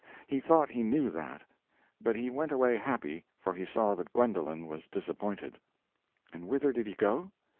He thought he knew that. But he went away happy, for he saw that Gwendolen was disappointed. And whither did he go?